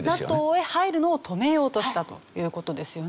ＮＡＴＯへ入るのを止めようとしたという事ですよね。